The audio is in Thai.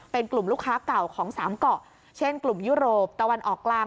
เป็นกลุ่มลูกค้าเก่าของสามเกาะเช่นกลุ่มยุโรปตะวันออกกลาง